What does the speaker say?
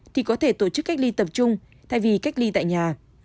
thì có thể tổ chức cách ly tập trung thay vì cách ly tại nhà